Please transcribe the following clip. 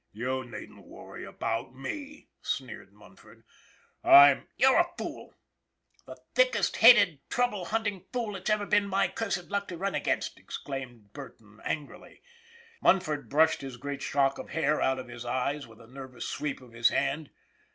" You needn't worry about me," sneered Munford. " I'm " You're a fool ! The thickest headed, trouble hunting fool it's ever been my cursed luck to run against !" exclaimed Burton angrily. Munford brushed his great shock of hair out of his eyes with a nervous sweep of his hand.